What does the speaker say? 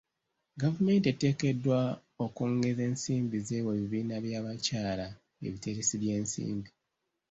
Gavumenti eteekeddwa okwongeza ensimbi z'ewa ebibiina by'abakyala ebiteresi by'ensimbi.